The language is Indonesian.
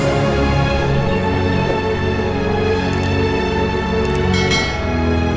sesendok saja naik